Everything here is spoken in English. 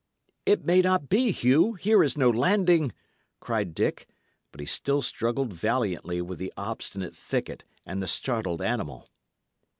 "It may not be, Hugh; here is no landing," cried Dick; but he still struggled valiantly with the obstinate thicket and the startled animal.